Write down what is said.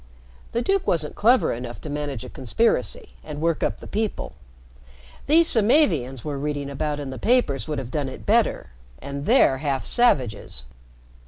The duke wasn't clever enough to manage a conspiracy and work up the people. These Samavians we're reading about in the papers would have done it better. And they're half savages."